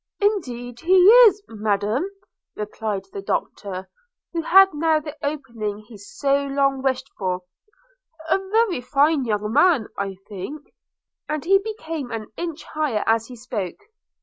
'Indeed he is, Madam,' replied the Doctor, who had now the opening he so long wished for; 'a very fine young man, I think;' and he became an inch higher as he spoke.